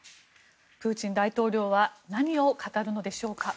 プーチン大統領は何を語るのでしょうか。